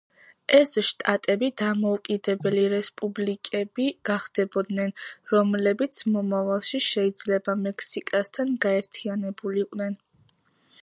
ეს შტატები დამოუკიდებელი რესპუბლიკები გახდებოდნენ, რომლებიც მომავალში შეიძლება მექსიკასთან გაერთიანებულიყვნენ.